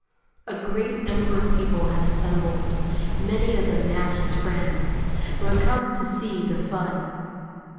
A great number of people had assembled, many of them Nash's friends, who had come to see "the fun."